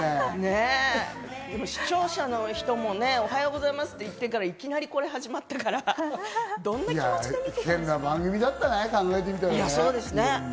でも視聴者の人もおはようございますって言ってから、いきなりこれ始まったから、変な番組だったね、考えてみたら。